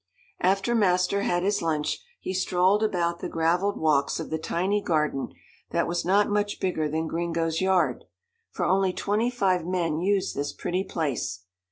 After master had his lunch, he strolled about the gravelled walks of the tiny garden that was not much bigger than Gringo's yard, for only twenty five men use this pretty place.